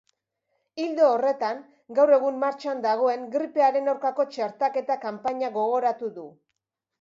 Ildo horretan, gaur egun martxan dagoen gripearen aurkako txertaketa kanpaina gogoratu du.